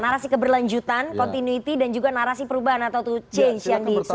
narasi keberlanjutan continuity dan juga narasi perubahan atau change yang disampaikan